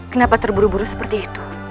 kenapa terburu buru seperti itu